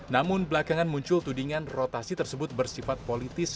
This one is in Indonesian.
namun belakangan muncul tudingan rotasi tersebut bersifat politis